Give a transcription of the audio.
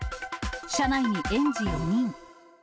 車内に園児４人。